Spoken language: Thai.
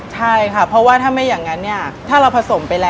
ใช่ค่ะเพราะว่าทำไมอย่างนั้นเนี่ย